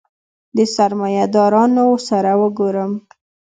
د سرمایه دارانو سره وګورم.